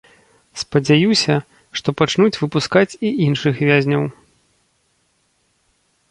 Спадзяюся, што пачнуць выпускаць і іншых вязняў.